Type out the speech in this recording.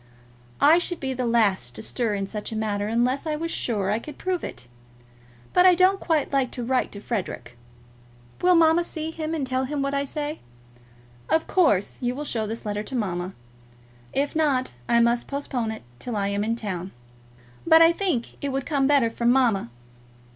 I should be the last to stir in such a matter unless I was sure I could prove it. But I don't quite like to write to Frederic. Will mamma see him, and tell him what I say? Of course you will show this letter to mamma. If not, I must postpone it till I am in town; but I think it would come better from mamma.